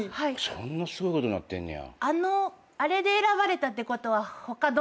そんなすごいことなってんねや。